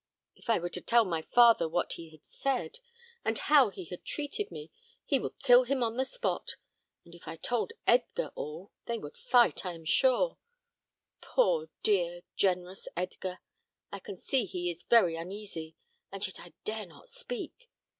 If I were to tell my father what he had said, and how he had treated me, he would kill him on the spot; and if I told Edgar all, they would fight, I am sure. Poor, dear, generous Edgar! I can see he is very uneasy, and yet I dare not speak.